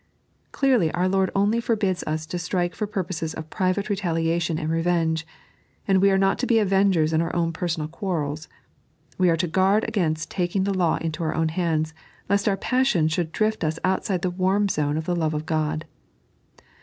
Clearly our Lord only forbids us to strike for purposes of private retaliation and revenge, we are not to be avengers in our personal quarrels, we are to guard against taking the law into our own hands, lest our passion should drift us outside the warm zone of the love of Ood.